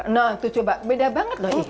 nah itu coba beda banget loh